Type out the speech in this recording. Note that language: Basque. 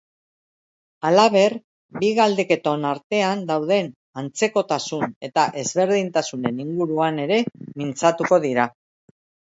Halaber, bi galdeketon artean dauden antzekotasun eta ezberdintasunen inguruan ere mintzatuko dira.